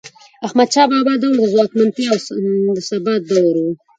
د احمدشاه بابا دور د ځواکمنتیا او ثبات دور و.